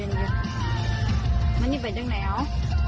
มันยังไงจังแล้ว